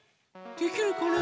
できるかな？